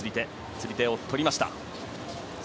釣り手を取りました。